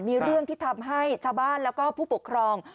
มีเรื่องที่ทำให้ชาวบ้านแล้วก็ผู้ปกครอง